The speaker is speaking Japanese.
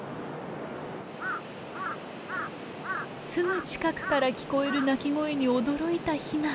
すぐ近くから聞こえる鳴き声に驚いたヒナ。